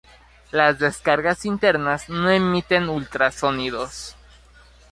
Las descargas internas no emiten ultrasonidos.